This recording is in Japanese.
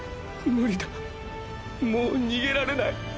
ムリだもう逃げられない。